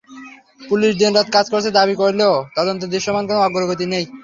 Police দিনরাত কাজ করছে দাবি করলেও তদন্তে দৃশ্যমান কোনো অগ্রগতি নেই।